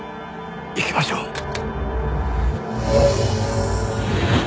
行きましょう。